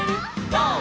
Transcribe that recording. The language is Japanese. ゴー！」